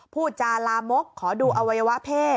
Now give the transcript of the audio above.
พูดจาลามกขอดูอวัยวะเพศ